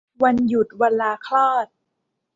วันหยุด วันลาคลอด